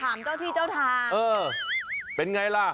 เจ้าที่เจ้าทางเออเป็นไงล่ะ